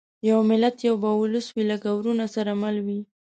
یو ملت یو به اولس وي لکه وروڼه سره مله وي